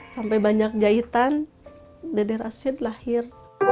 sampai banyak jahitan dede rashid lahir